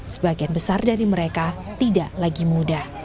sebagian besar dari mereka tidak lagi muda